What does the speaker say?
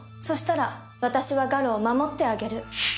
そしたら私は我路を守ってあげる